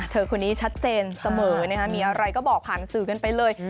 คนนี้ชัดเจนเสมอมีอะไรก็บอกผ่านสื่อกันไปเลย